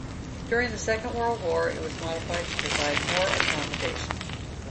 During the Second World War it was modified to provide more accommodation.